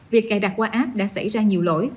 việc cài đặt qua app đã xảy ra nhiều lỗi